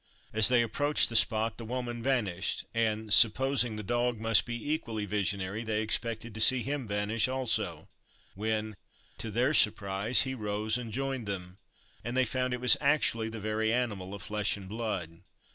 As they approached the spot the woman vanished, and supposing the dog must be equally visionary, they expected to see him vanish, also; when, to their surprise, he rose and joined them, and they found it was actually the very animal of flesh and blood.